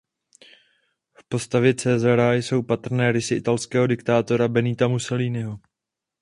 V postavě Caesara jsou patrné rysy italského diktátora Benita Mussoliniho.